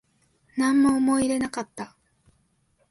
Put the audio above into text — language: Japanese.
なんも思い入れなかった